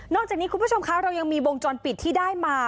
จากนี้คุณผู้ชมคะเรายังมีวงจรปิดที่ได้มา